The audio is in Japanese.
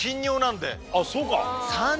あっそうか。